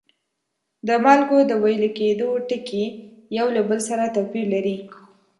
د مالګو د ویلي کیدو ټکي یو له بل سره توپیر لري.